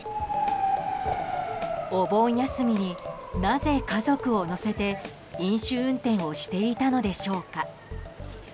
お盆休みになぜ家族を乗せて飲酒運転をしていたのでしょうか。